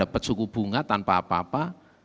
yang dapat cukup bunga tanpa apa apa